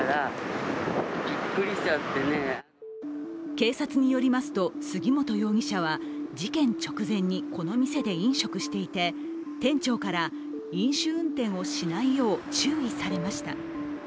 警察によりますと、杉本容疑者は事件直前にこの店で飲食していて、店長から飲酒運転をしないよう注意されました。